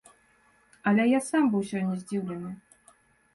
Але я сам быў сёння здзіўлены.